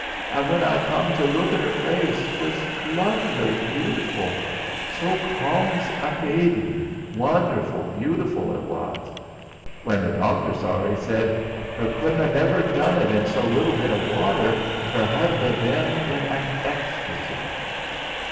An' when I come to luke at 'er face, 'twas luvly, butiful, so calm's a baby's wonderful butiful et was. When the doctor saw 'er, 'e said: 'Er culdn' never a done it in that little bit o' watter ef' er 'adn't a been in an extarsy.'